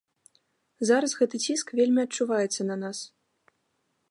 Зараз гэты ціск вельмі адчуваецца на нас.